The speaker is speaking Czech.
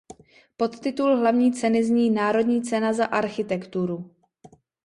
Podtitul hlavní ceny zní Národní cena za architekturu.